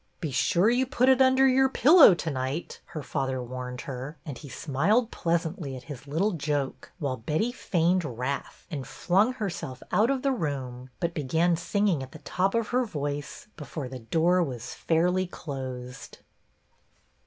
" Be sure you put it under your pillow to night," her father warned her, and he smiled pleasantly at his little joke, while Betty feigned wrath, and flung herself out of the room, but began singing at the top of her voice before the door was fairly closed.